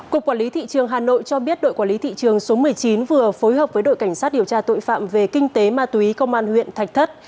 cục quản lý thị trường hà nội cho biết đội quản lý thị trường số một mươi chín vừa phối hợp với đội cảnh sát điều tra tội phạm về kinh tế ma túy công an huyện thạch thất